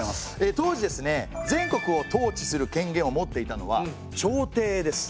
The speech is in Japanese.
当時ですね全国を統治する権限を持っていたのは朝廷です。